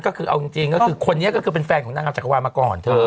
ก็คือเอาจริงก็คือคนนี้ก็คือเป็นแฟนของนางงามจักรวาลมาก่อนเธอ